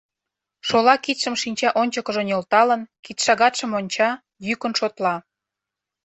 Шола кидшым шинча ончыкыжо нӧлталын, кидшагатшым онча, йӱкын шотла.